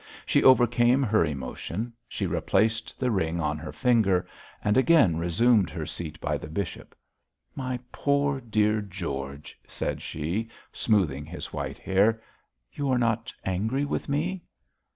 She overcame her emotion; she replaced the ring on her finger, and again resumed her seat by the bishop. 'My poor dear George,' said she, smoothing his white hair, 'you are not angry with me?'